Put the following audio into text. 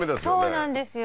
そうなんですよ